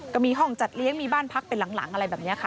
ก็มีห้องจัดเลี้ยงมีบ้านพักเป็นหลังอะไรแบบนี้ค่ะ